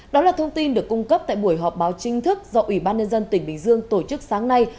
đó là thông tin được cung cấp tại buổi họp báo chính thức do ủy ban nhân dân tỉnh bình dương tổ chức sáng nay